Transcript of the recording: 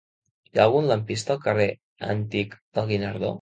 Hi ha algun lampista al carrer Antic del Guinardó?